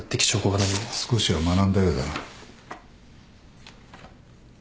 少しは学んだようだな。